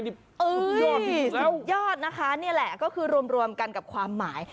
สุดยอดนะคะนี่แหละก็คือรวมรวมกันกับความหมาย